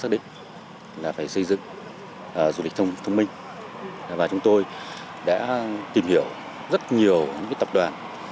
để xây dựng du lịch thông minh cho tỉnh nhà